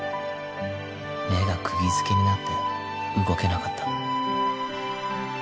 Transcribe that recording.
目がくぎ付けになって動けなかった